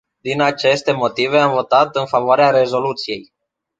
Din aceste motive, am votat în favoarea rezoluției.